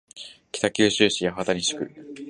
北九州市八幡西区